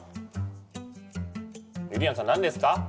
何ですか？